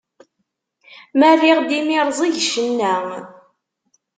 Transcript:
Ma rriɣ-d imirẓig, cenna!